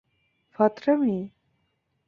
ফাত্ত্রামি? "